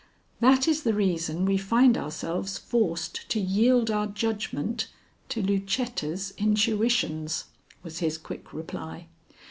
"That is the reason we find ourselves forced to yield our judgment to Lucetta's intuitions," was his quick reply.